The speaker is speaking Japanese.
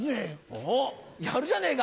おっやるじゃねえか！